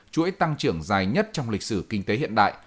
chuỗi tăng trưởng dài nhất trong lịch sử kinh tế hiện đại